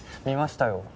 見ましたよ。